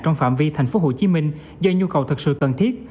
trong phạm vi tp hcm do nhu cầu thật sự cần thiết